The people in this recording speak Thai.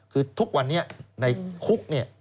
คือทุกวันนี้ในคุกเนี่ย